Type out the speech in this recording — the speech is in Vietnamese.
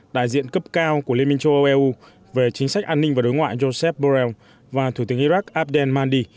đại diện cấp cao của liên minh châu âu eu về chính sách an ninh và đối ngoại joseph borrell và thủ tướng iraq abdel maldi